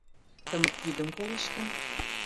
Тымык йӱдым колеш гын?